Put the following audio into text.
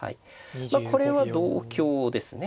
これは同香ですね。